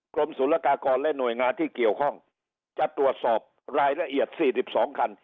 กรมศูนยากากรและหน่วยงานที่เกี่ยวข้องจะตรวจสอบรายละเอียด๔๒คัน